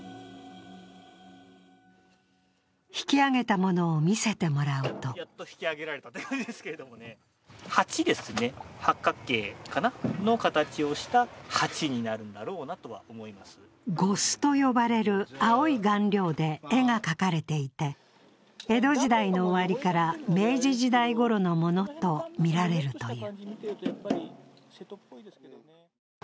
引き揚げたものを見せてもらうと呉須と呼ばれる青い顔料で絵が描かれていて江戸時代の終わりから明治時代ごろのものとみられるという。